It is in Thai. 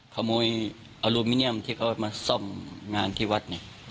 ขโมยอลูมิเนียมที่เขามาซ่อมงานที่วัดเนี่ย